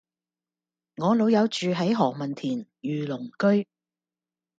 我老友住喺何文田御龍居